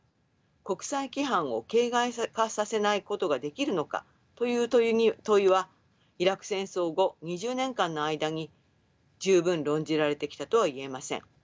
国際規範を形骸化させないことができるのかという問いはイラク戦争後２０年間の間に十分論じられてきたとは言えません。